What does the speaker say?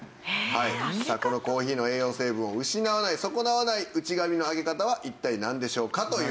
さあこのコーヒーの栄養成分を失わない損なわない内紙の開け方は一体なんでしょうか？という。